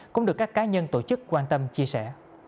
cũng được các cá nhân tổ chức quan tâm chia sẻ